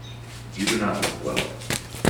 You do not look well.